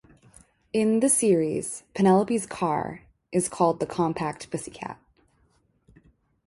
In the series, Penelope's car is called the "Compact Pussycat".